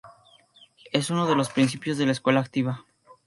Es uno de los principios de la Escuela Activa.